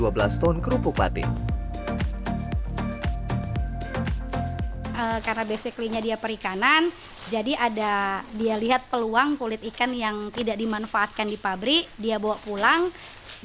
karena basicly nya dia perikanan jadi ada dia lihat peluang kulit ikan yang tidak dimanfaatkan di pabrik dia bawa pulang dan dia memasaknya ke tempat lainnya untuk membuat kerupuk patin yang lebih baik untuk menghasilkan kondisi kerupuk yang terbaik meskipun disini sudah disediakan exhaust fan serta ventilasi lainnya